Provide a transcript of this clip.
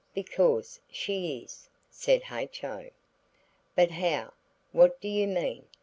"Because she is," said H.O. "But how? What do you mean?"